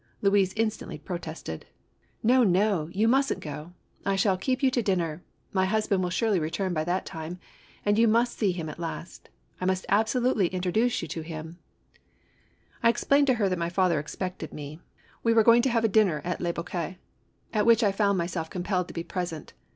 Louise instantly protested. " No, no, you mustn't go ! I shall keep you to dinner ! My husband will surely return by that time, and you will see him at last ! I must absolutely introduce you to him I " I explained to her that my father expected me. We were going to have a dinner at Le Boquet at which I found myself compelled to be present.